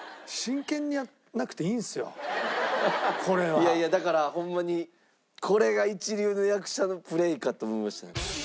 いやいやだからホンマにこれが一流の役者のプレーかと思いましたね。